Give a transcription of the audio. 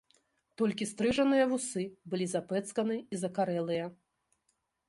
Толькі стрыжаныя вусы былі запэцканы і закарэлыя.